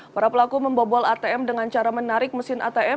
para pelaku membobol atm dengan cara menarik mesin atm